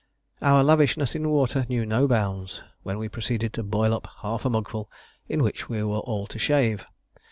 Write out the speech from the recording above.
Our lavishness in water knew no bounds when we proceeded to boil up half a mugful, in which we were all to shave.